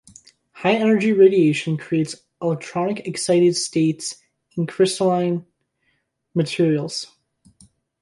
High energy radiation creates electronic excited states in crystalline materials.